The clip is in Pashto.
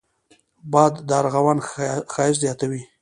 باد د ارغوان ښايست زیاتوي